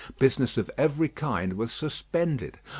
Business of every kind was suspended.